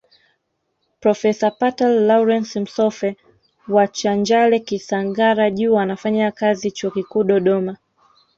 Profesa Pater Lawrance Msoffe wa Chanjale Kisangara juu anafanya kazi Chuo Kikuu Dodoma